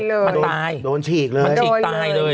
มันตายโดนฉีกเลยมันฉีกตายเลย